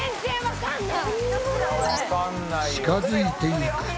近づいていくと。